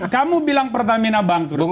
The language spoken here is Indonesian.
kamu bilang pertamina bangkrut